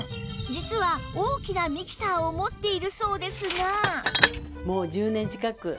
実は大きなミキサーを持っているそうですが